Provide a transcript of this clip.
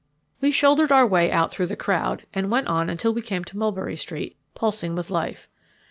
We shouldered our way out through the crowd, and went on until we came to Mulberry Street, pulsing with life.